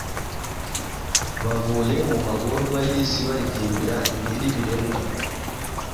bavuye mu magorwa y'isi, baririmbira nyir'ibiremwa